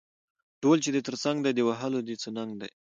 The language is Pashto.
ـ ډول چې دې تر څنګ دى د وهلو يې څه ننګ دى.